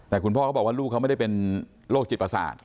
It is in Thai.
แต่คุณพ่อเขาบอกว่าลูกเขาไม่ได้เป็นโรคจิตประสาท